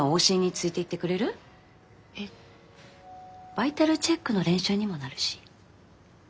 バイタルチェックの練習にもなるし。